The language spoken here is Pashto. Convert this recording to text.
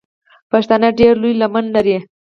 پښتانه ډېره لو لمن لري.